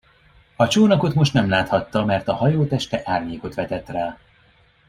A csónakot most nem láthatta, mert a hajó teste árnyékot vetett rá.